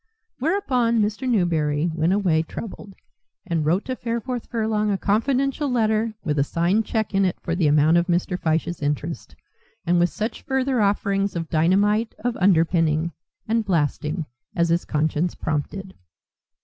Whereupon Mr. Newberry went away troubled and wrote to Fareforth Furlong a confidential letter with a signed cheque in it for the amount of Mr. Fyshe's interest, and with such further offerings of dynamite, of underpinning and blasting as his conscience prompted.